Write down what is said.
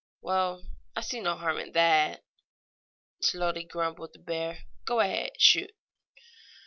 "Well, I see no harm in that," slowly grumbled the bear. "Go ahead. Shoot!"